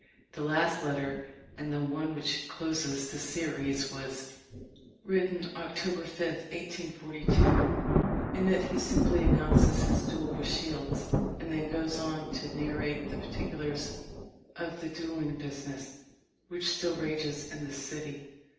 The last letter, and the one which closes this series, was written October 5, 1842. In it he simply announces his "duel with Shields," and then goes on to "narrate the particulars of the duelling busi ness, which still rages in this city."